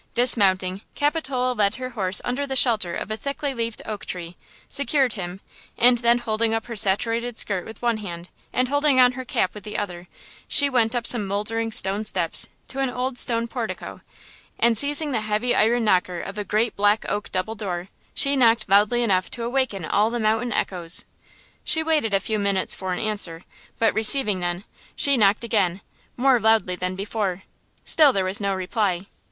Dismounting, Capitola led her horse under the shelter of a thickly leaved oak tree, secured him, and then holding up her saturated skirt with one hand and holding on her cap with the other; she went up some moldering stone steps to an old stone portico and, seizing the heavy iron knocker of a great black oak double door, she knocked loudly enough to awaken all the mountain echoes. She waited a few minutes for an answer, but receiving none, she knocked again, more loudly than before. Still there was no reply.